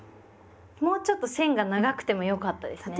もうちょっと線が長くてもよかったですね。